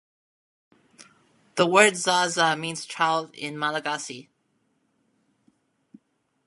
The word "zaza" means child in Malagasy.